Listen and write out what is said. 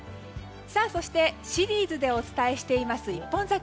そして、シリーズでお伝えしています一本桜。